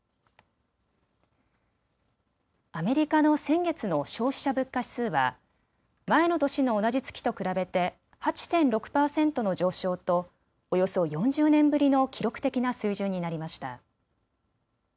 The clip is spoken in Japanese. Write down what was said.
アメリカの先月の消費者物価指数は前の年の同じ月と比べて８．６％の上昇とおよそ４０年ぶりの記録的な水準になりました。